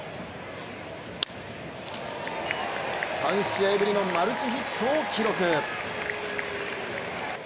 ３試合ぶりのマルチヒットを記録。